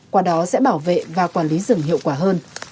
qua đó sẽ bảo vệ và quản lý rừng hiệu quả hơn